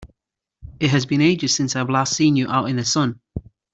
It has been ages since I've last seen you out in the sun!